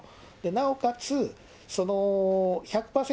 なおかつ、その１００％